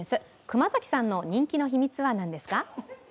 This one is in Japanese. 熊崎さんの人気の秘密は何ですか？